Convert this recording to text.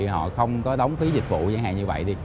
họ không có đóng phí dịch vụ như vậy